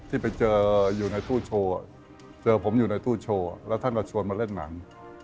ที่ไปเจออยู่ในตู้โชว์เจอผมอยู่ในตู้โชว์แล้วท่านก็ชวนมาเล่นหนัง